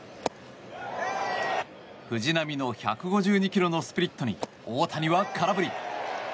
藤浪の１５２ｋｍのスプリットに大谷は空振り。